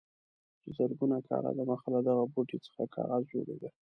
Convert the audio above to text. چې زرګونه کاله دمخه له دغه بوټي څخه کاغذ جوړېده.